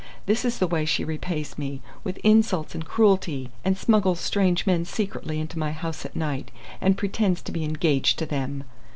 This is the way she repays me with insults and cruelty, and smuggles strange men secretly into my house at night, and pretends to be engaged to them!"